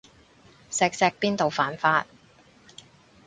錫錫邊度犯法